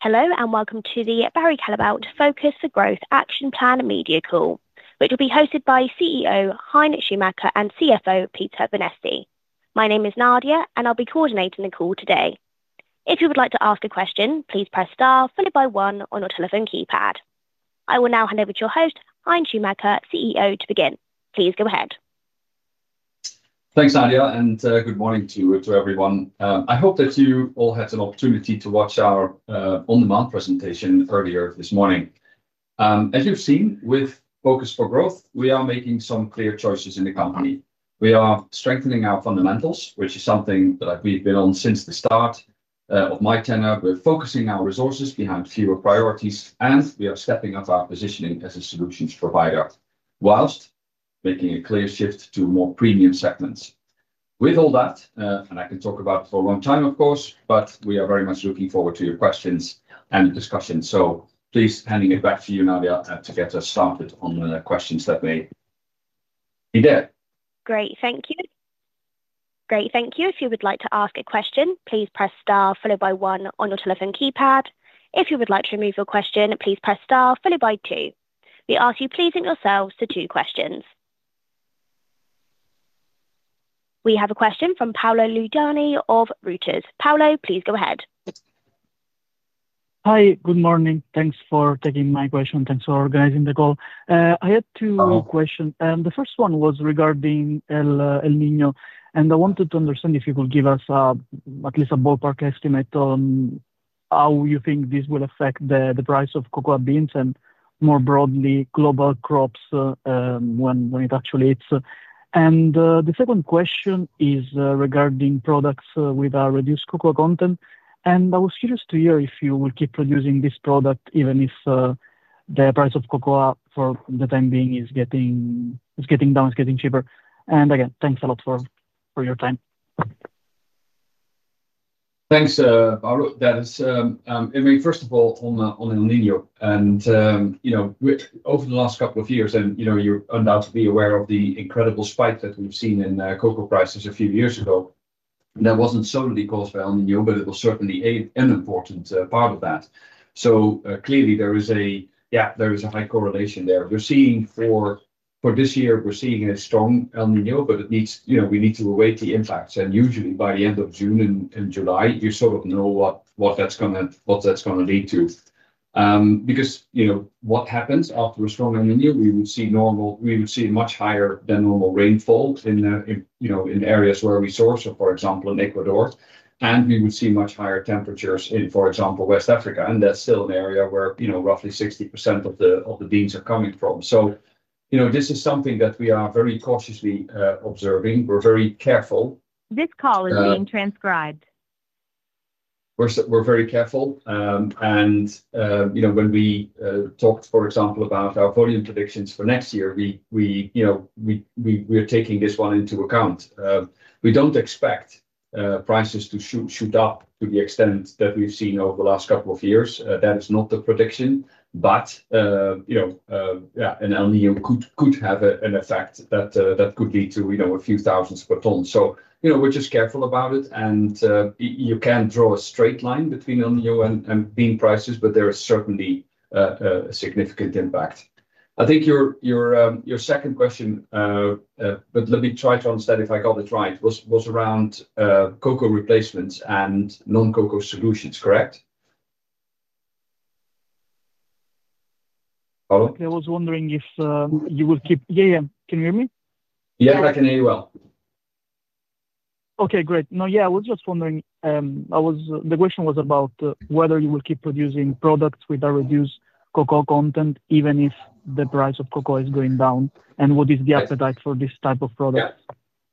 Hello, and welcome to the Barry Callebaut Focus for Growth Action Plan media call, which will be hosted by CEO Hein Schumacher and CFO Peter Vanneste. My name is Nadia, and I will be coordinating the call today. If you would like to ask a question, please press star followed by one on your telephone keypad. I will now hand over to your host, Hein Schumacher, CEO, to begin. Please go ahead. Thanks, Nadia, and good morning to everyone. I hope that you all had an opportunity to watch our on-demand presentation earlier this morning. As you've seen with Focus for Growth, we are making some clear choices in the company. We are strengthening our fundamentals, which is something that we've been on since the start of my tenure. We're focusing our resources behind fewer priorities, and we are stepping up our positioning as a solutions provider whilst making a clear shift to more premium segments. With all that, and I can talk about it for a long time, of course, but we are very much looking forward to your questions and discussion. Please, handing it back to you, Nadia, to get us started on the questions that may be there. Great. Thank you. If you would like to ask a question, please press star followed by one on your telephone keypad. If you would like to remove your question, please press star followed by two. We ask you please limit yourselves to two questions. We have a question from Paolo Laudani of Reuters. Paolo, please go ahead. Hi. Good morning. Thanks for taking my question. Thanks for organizing the call. I had two questions. The first one was regarding El Niño, and I wanted to understand if you could give us at least a ballpark estimate on how you think this will affect the price of cocoa beans and, more broadly, global crops when it actually hits. The second question is regarding products with our reduced cocoa content, and I was curious to hear if you will keep producing this product, even if the price of cocoa for the time being is getting down, is getting cheaper. Again, thanks a lot for your time. Thanks, Paolo. First of all, on El Niño, over the last couple of years, you're undoubtedly aware of the incredible spike that we've seen in cocoa prices a few years ago. That wasn't solely caused by El Niño, but it was certainly an important part of that. Clearly, there is a high correlation there. For this year, we're seeing a strong El Niño, but we need to await the impacts, and usually by the end of June and July, you sort of know what that's going to lead to. What happens after a strong El Niño, we would see much higher than normal rainfall in areas where we source, for example, in Ecuador, and we would see much higher temperatures in, for example, West Africa, and that's still an area where roughly 60% of the beans are coming from. This is something that we are very cautiously observing. We're very careful. This call is being transcribed. We're very careful. When we talked, for example, about our volume predictions for next year, we're taking this one into account. We don't expect prices to shoot up to the extent that we've seen over the last couple of years. That is not the prediction, an El Niño could have an effect that could lead to a few thousands per ton. We're just careful about it, you can't draw a straight line between El Niño and bean prices, there is certainly a significant impact. I think your second question, let me try to understand if I got it right, was around cocoa replacements and non-cocoa solutions. Correct? Paolo? Yeah. Can you hear me? Yeah, I can hear you well. Okay, great. Yeah, I was just wondering, the question was about whether you will keep producing products with a reduced cocoa content, even if the price of cocoa is going down, and what is the appetite for this type of product?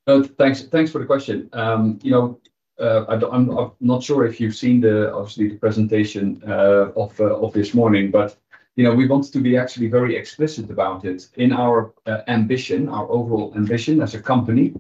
Yeah. Thanks for the question. I'm not sure if you've seen the presentation of this morning, but we want to be actually very explicit about it. In our ambition, our overall ambition as a company,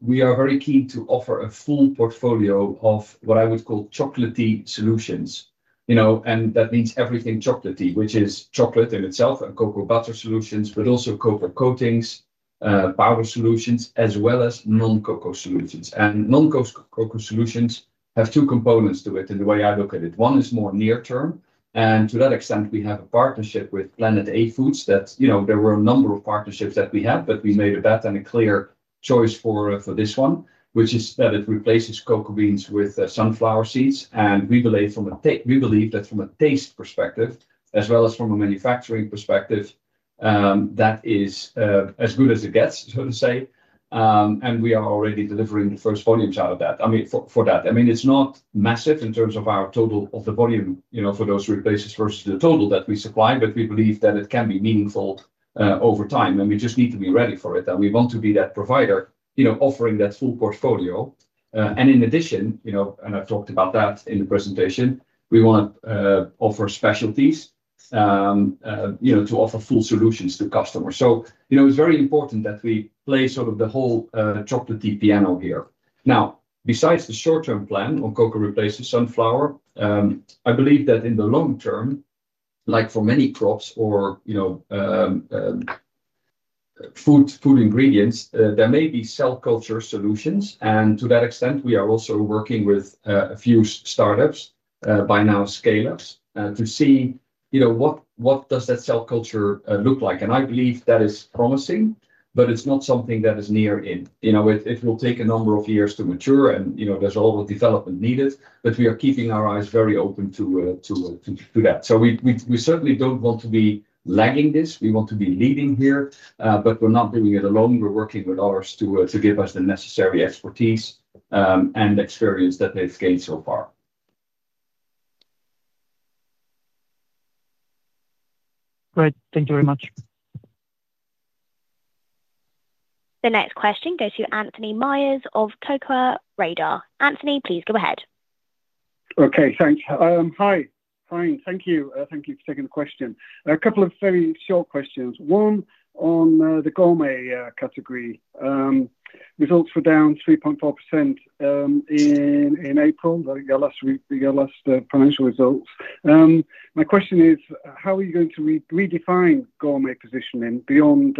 we are very keen to offer a full portfolio of what I would call chocolatey solutions. That means everything chocolatey, which is chocolate in itself and cocoa butter solutions, but also cocoa coatings, powder solutions, as well as non-cocoa solutions. Non-cocoa solutions have two components to it in the way I look at it. One is more near-term, and to that extent, we have a partnership with Planet A Foods that there were a number of partnerships that we had, but we made a bet and a clear choice for this one, which is that it replaces cocoa beans with sunflower seeds. We believe that from a taste perspective, as well as from a manufacturing perspective, that is as good as it gets, so to say, and we are already delivering the first volumes for that. It's not massive in terms of our total of the volume for those replacements versus the total that we supply, but we believe that it can be meaningful over time, and we just need to be ready for it, and we want to be that provider offering that full portfolio. In addition, and I've talked about that in the presentation, we want to offer specialties to offer full solutions to customers. It's very important that we play sort of the whole chocolatey piano here. Besides the short-term plan on cocoa replacing sunflower, I believe that in the long term, like for many crops or food ingredients, there may be cell culture solutions. To that extent, we are also working with a few startups, by now scale-ups, to see what does that cell culture look like. I believe that is promising, but it's not something that is near in. It will take a number of years to mature and there's a lot of development needed, but we are keeping our eyes very open to that. We certainly don't want to be lagging this. We want to be leading here, but we're not doing it alone. We're working with others to give us the necessary expertise and experience that they've gained so far. Great. Thank you very much. The next question goes to Anthony Myers of Cocoa Radar. Anthony, please go ahead. Okay, thanks. Hi. Fine, thank you. Thank you for taking the question. A couple of very short questions. One on the gourmet category. Results were down 3.4% in April, your last financial results. My question is, how are you going to redefine gourmet positioning beyond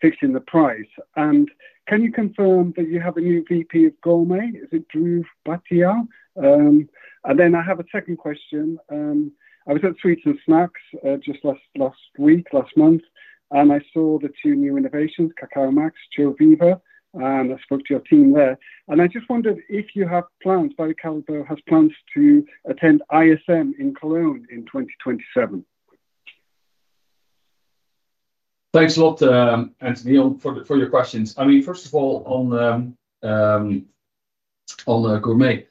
fixing the price? Can you confirm that you have a new VP of gourmet? Is it Dhruv Bhatia? Then I have a second question. I was at Sweets & Snacks just last week, last month, and I saw the two new innovations, Cacao Max, ChoViva, and I spoke to your team there. I just wondered if you have plans, Barry Callebaut has plans to attend ISM in Cologne in 2027. Thanks a lot, Anthony, for your questions. First of all, on gourmet.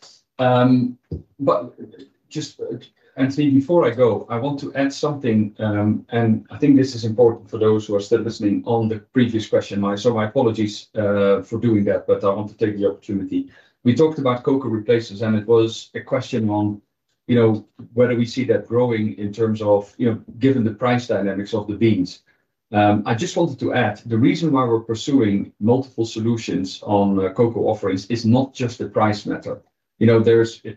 Just, Anthony, before I go, I want to add something, and I think this is important for those who are still listening on the previous question. My apologies for doing that, but I want to take the opportunity. We talked about cocoa replacers, and it was a question on whether we see that growing in terms of, given the price dynamics of the beans. I just wanted to add, the reason why we're pursuing multiple solutions on cocoa offerings is not just a price matter.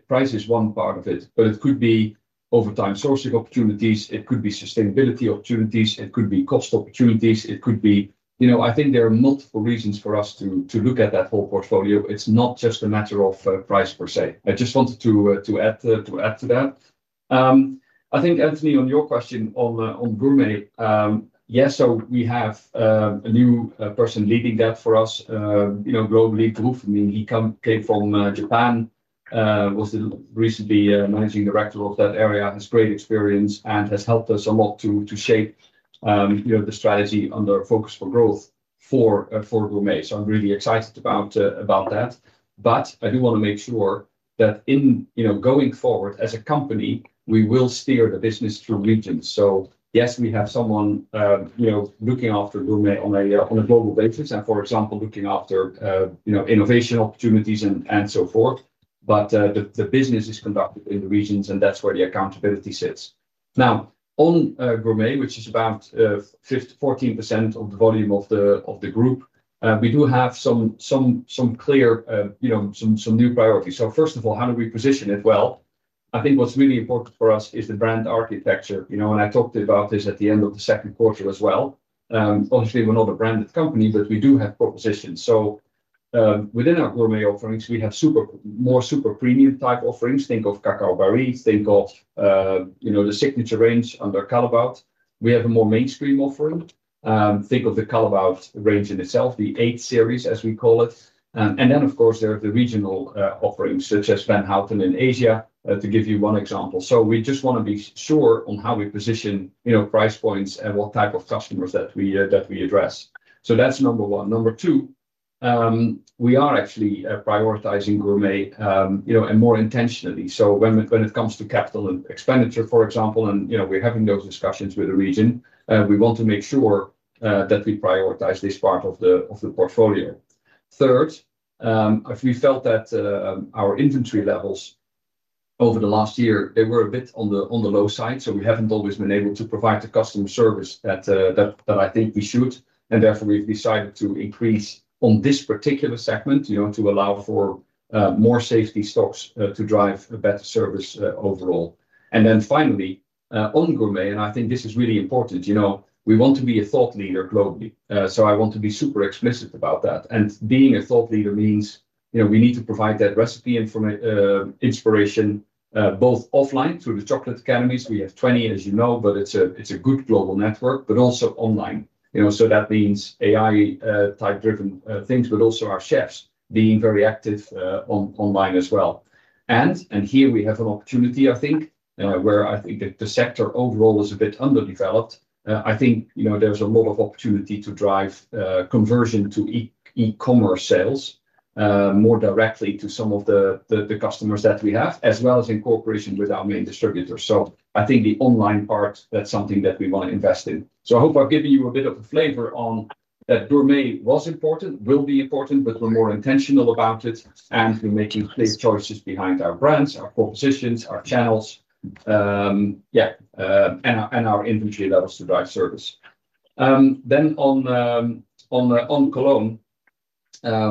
Price is one part of it, but it could be over time sourcing opportunities, it could be sustainability opportunities, it could be cost opportunities. I think there are multiple reasons for us to look at that whole portfolio. It's not just a matter of price, per se. I just wanted to add to that. I think, Anthony, on your question on gourmet, we have a new person leading that for us globally, Dhruv. I mean, he came from Japan, was the recently Managing Director of that area, has great experience and has helped us a lot to shape the strategy on the Focus for Growth for gourmet. I'm really excited about that. I do want to make sure that in going forward as a company, we will steer the business through regions. Yes, we have someone looking after gourmet on a global basis and, for example, looking after innovation opportunities and so forth. The business is conducted in the regions, and that's where the accountability sits. Now, on gourmet, which is about 14% of the volume of the group, we do have some clear, some new priorities. First of all, how do we position it? I think what's really important for us is the brand architecture. I talked about this at the end of the second quarter as well. Obviously, we're not a branded company, but we do have propositions. Within our gourmet offerings, we have more super premium type offerings. Think of Cacao Barry. Think of the signature range under Callebaut. We have a more mainstream offering. Think of the Callebaut range in itself, the eight series, as we call it. Of course, there are the regional offerings, such as Van Houten in Asia, to give you one example. We just want to be sure on how we position price points and what type of customers that we address. That's number one. Number two, we are actually prioritizing gourmet, and more intentionally. When it comes to capital and expenditure, for example, and we're having those discussions with the region, we want to make sure that we prioritize this part of the portfolio. Third, we felt that our inventory levels over the last year, they were a bit on the low side, so we haven't always been able to provide the customer service that I think we should, and therefore, we've decided to increase on this particular segment, to allow for more safety stocks to drive a better service overall. Finally, on gourmet, and I think this is really important. We want to be a thought leader globally. I want to be super explicit about that. Being a thought leader means we need to provide that recipe inspiration, both offline through the Chocolate Academy. We have 20, as you know, but it's a good global network, but also online. That means AI-type driven things, but also our chefs being very active online as well. Here we have an opportunity, I think, where I think the sector overall is a bit underdeveloped. I think there's a lot of opportunity to drive conversion to e-commerce sales, more directly to some of the customers that we have, as well as in cooperation with our main distributors. I think the online part, that's something that we want to invest in. I hope I've given you a bit of a flavor on that gourmet was important, will be important, but we're more intentional about it, and we're making clear choices behind our brands, our propositions, our channels. Yeah, our inventory levels to drive service. On Cologne. I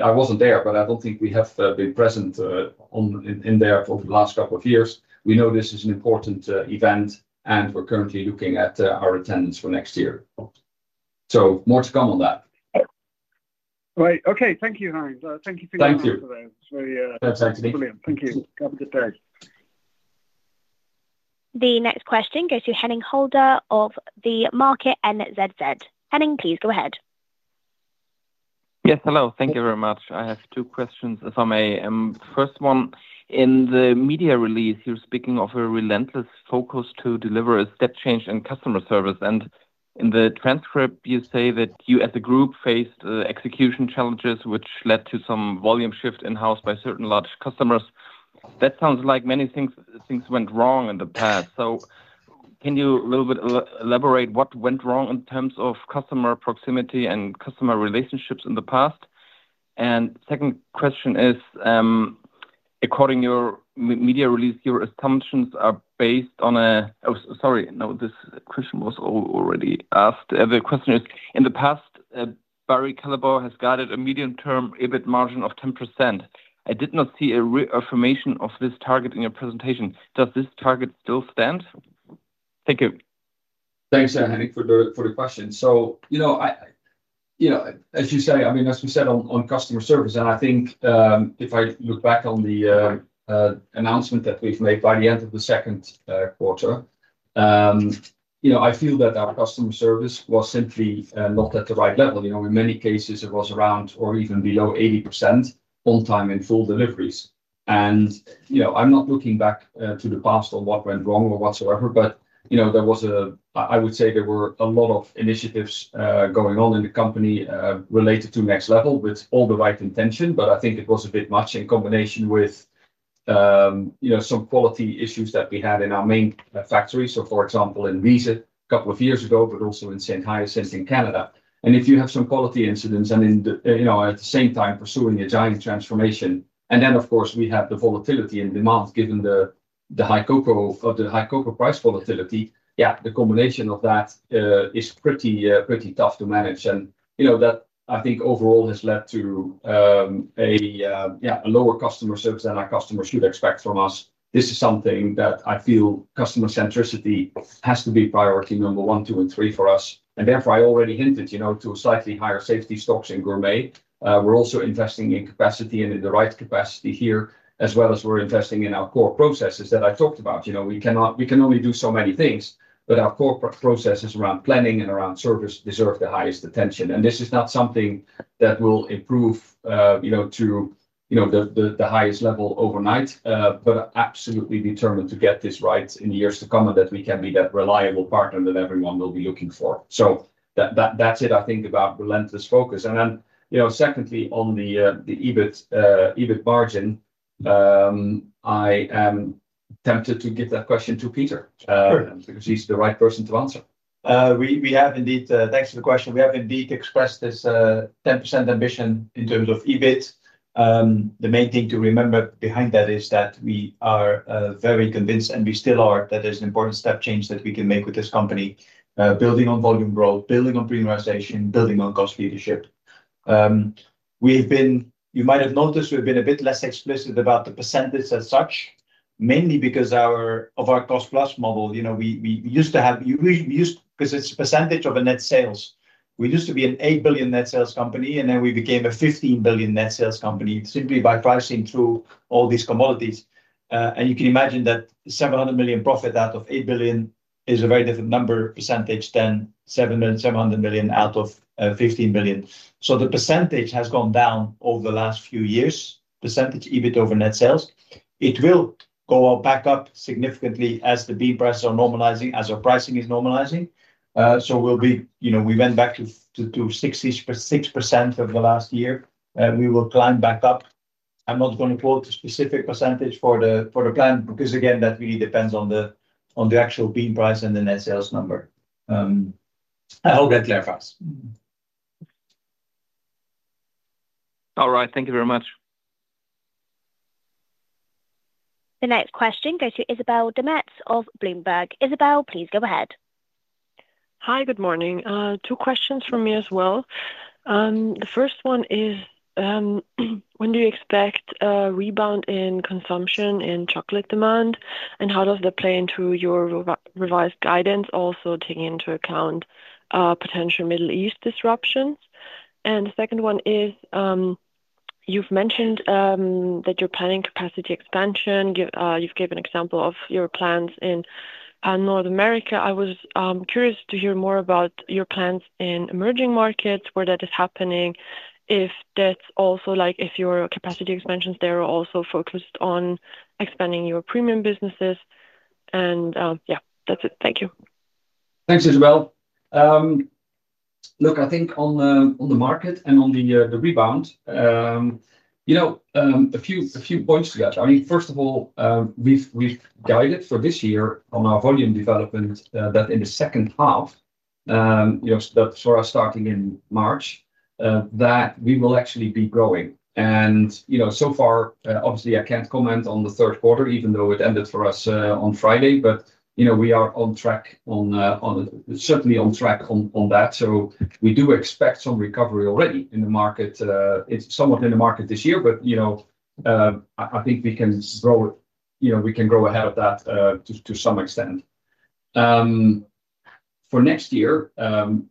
wasn't there, but I don't think we have been present in there for the last couple of years. We know this is an important event, and we're currently looking at our attendance for next year. More to come on that. Right. Okay. Thank you, Hein. Thank you so much for that. Thank you. It's very brilliant. Thank you. Have a good day. The next question goes to Henning Hölder of The Market NZZ. Henning, please go ahead. Yes. Hello. Thank you very much. I have two questions, if I may. First one, in the media release, you're speaking of a relentless focus to deliver a step change in customer service. In the transcript you say that you, as a group, faced execution challenges, which led to some volume shift in-house by certain large customers. That sounds like many things went wrong in the past. Can you a little bit elaborate what went wrong in terms of customer proximity and customer relationships in the past? Second question is, according to your media release, your assumptions are based on Oh, sorry. No, this question was already asked. The question is, in the past, Barry Callebaut has guided a medium-term EBIT margin of 10%. I did not see a reaffirmation of this target in your presentation. Does this target still stand? Thank you. Thanks, Henning, for the question. As you said, as we said on customer service, I think if I look back on the announcement that we've made by the end of the second quarter, I feel that our customer service was simply not at the right level. In many cases it was around or even below 80% on time and full deliveries. I'm not looking back to the past on what went wrong or whatsoever. I would say there were a lot of initiatives going on in the company related to Next Level with all the right intention. I think it was a bit much in combination with some quality issues that we had in our main factory. For example, in Wieze a couple of years ago, but also in Saint-Hyacinthe in Canada. If you have some quality incidents and at the same time pursuing a giant transformation. Then, of course, we have the volatility in demand given the high cocoa price volatility. Yeah, the combination of that is pretty tough to manage. That, I think, overall has led to a lower customer service than our customers should expect from us. This is something that I feel customer centricity has to be priority number one, two, and three for us. Therefore, I already hinted to slightly higher safety stocks in gourmet. We're also investing in capacity and in the right capacity here, as well as we're investing in our core processes that I talked about. We can only do so many things, but our core processes around planning and around service deserve the highest attention. This is not something that will improve to the highest level overnight. Absolutely determined to get this right in the years to come, and that we can be that reliable partner that everyone will be looking for. That's it, I think, about relentless focus. Secondly, on the EBIT margin, I am tempted to give that question to Peter. Sure Because he's the right person to answer. Thanks for the question. We have indeed expressed this 10% ambition in terms of EBIT. The main thing to remember behind that is that we are very convinced, and we still are, that there's an important step change that we can make with this company, building on volume growth, building on premiumization, building on cost leadership. You might have noticed we've been a bit less explicit about the percentage as such, mainly because of our cost-plus model. Because it's a percentage of a net sales. We used to be a 8 billion net sales company, and then we became a 15 billion net sales company simply by pricing through all these commodities. You can imagine that 700 million profit out of 8 billion is a very different number percentage than 700 million out of 15 billion. The percentage has gone down over the last few years, percentage EBIT over net sales. It will go back up significantly as the bean prices are normalizing, as our pricing is normalizing. We went back to 6% over the last year. We will climb back up. I'm not going to quote a specific percentage for the plan because, again, that really depends on the actual bean price and the net sales number. I hope that clarifies. All right. Thank you very much. The next question goes to Isabelle Demetz of Bloomberg. Isabelle, please go ahead. Hi. Good morning. Two questions from me as well. The first one is, when do you expect a rebound in consumption in chocolate demand, and how does that play into your revised guidance, also taking into account potential Middle East disruptions? The second one is, you've mentioned that you're planning capacity expansion. You've gave an example of your plans in North America. I was curious to hear more about your plans in emerging markets, where that is happening. If your capacity expansions there are also focused on expanding your premium businesses. Yeah, that's it. Thank you. Thanks, Isabelle. Look, I think on the market and on the rebound, a few points to that. First of all, we've guided for this year on our volume development, that in the second half, that for us starting in March that we will actually be growing. So far, obviously, I can't comment on the third quarter, even though it ended for us on Friday. We are certainly on track on that. We do expect some recovery already in the market. It's somewhat in the market this year, but I think we can grow ahead of that to some extent. For next year,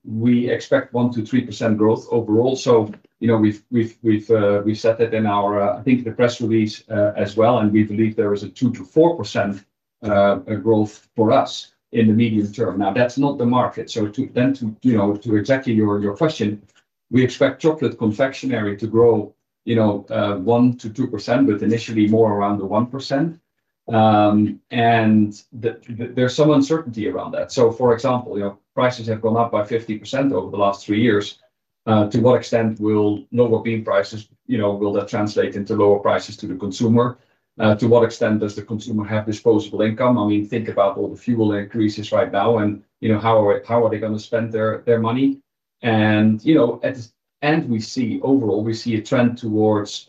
we expect 1% to 3% growth overall. We've set it in, I think, the press release as well, and we believe there is a 2% to 4% growth for us in the medium term. Now, that's not the market. To exactly your question, we expect chocolate confectionery to grow 1% to 2%, but initially more around the 1%. There's some uncertainty around that. For example, prices have gone up by 50% over the last three years. To what extent will cocoa bean prices, will that translate into lower prices to the consumer? To what extent does the consumer have disposable income? Think about all the fuel increases right now, and how are they going to spend their money? We see, overall, we see a trend towards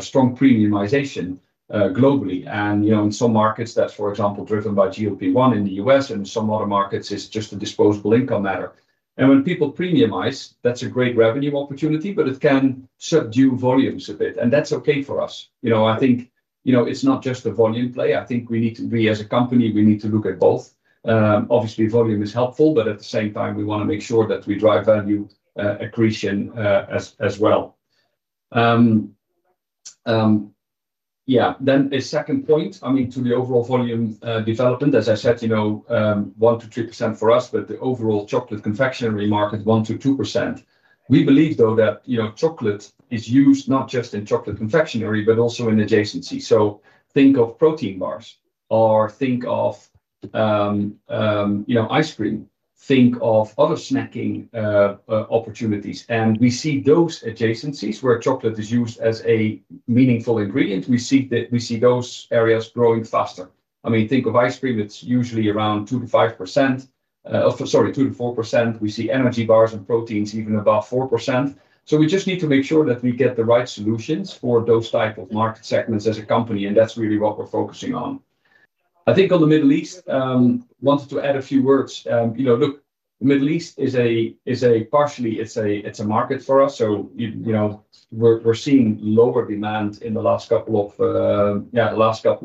strong premiumization globally. In some markets that's, for example, driven by GLP-1 in the U.S., and some other markets, it's just a disposable income matter. When people premiumize, that's a great revenue opportunity, but it can subdue volumes a bit, and that's okay for us. I think it's not just a volume play. I think we as a company, we need to look at both. Obviously, volume is helpful, but at the same time, we want to make sure that we drive value accretion as well. Yeah. The second point, to the overall volume development, as I said, 1%-3% for us, but the overall chocolate confectionery market, 1%-2%. We believe, though, that chocolate is used not just in chocolate confectionery, but also in adjacencies. Think of protein bars or think of ice cream. Think of other snacking opportunities. We see those adjacencies where chocolate is used as a meaningful ingredient. We see those areas growing faster. Think of ice cream, it's usually around 2%-5%-- Sorry, 2%-4%. We see energy bars and proteins even above 4%. We just need to make sure that we get the right solutions for those type of market segments as a company, and that's really what we're focusing on. I think on the Middle East, wanted to add a few words. Look, the Middle East, partially it's a market for us, so we're seeing lower demand in the last couple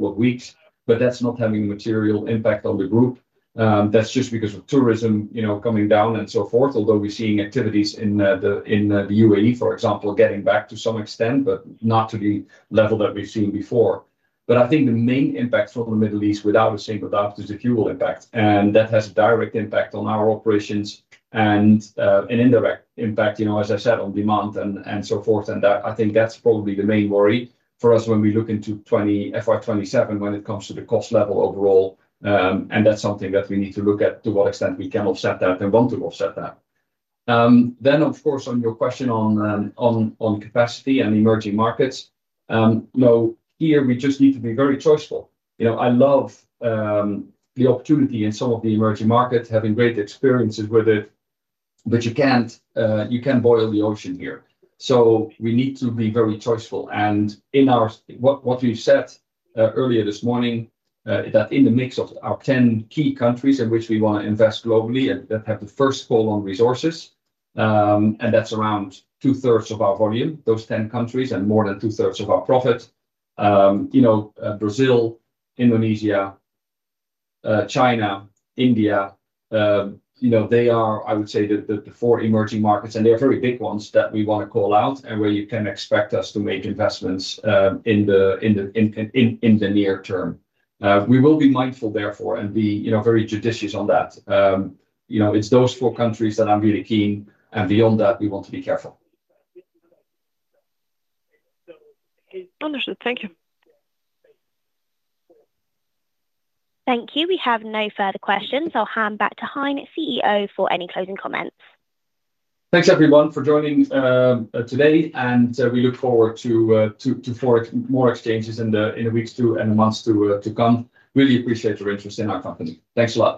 of weeks, but that's not having a material impact on the group. That's just because of tourism coming down and so forth. Although we're seeing activities in the UAE, for example, getting back to some extent, but not to the level that we've seen before. I think the main impact from the Middle East, without a single doubt, is the fuel impact. That has a direct impact on our operations and an indirect impact, as I said, on demand and so forth. I think that's probably the main worry for us when we look into FY27 when it comes to the cost level overall. That's something that we need to look at to what extent we can offset that and want to offset that. Of course, on your question on capacity and emerging markets. Here we just need to be very choiceful. I love the opportunity in some of the emerging markets, having great experiences with it, but you can't boil the ocean here, so we need to be very choiceful. What we've said earlier this morning, that in the mix of our 10 key countries in which we want to invest globally and that have the first call on resources. That's around two-thirds of our volume, those 10 countries, and more than two-thirds of our profit. Brazil, Indonesia, China, India, they are, I would say, the four emerging markets. They are very big ones that we want to call out and where you can expect us to make investments in the near term. We will be mindful therefore and be very judicious on that. It's those four countries that I am really keen. Beyond that, we want to be careful. Understood. Thank you. Thank you. We have no further questions. I'll hand back to Hein, CEO, for any closing comments. Thanks everyone for joining today and we look forward to more exchanges in the weeks to and months to come. Really appreciate your interest in our company. Thanks a lot.